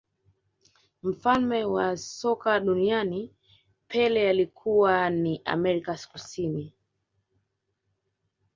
mfalme wa soka duniani pele alikuwa wa ni amerika kusini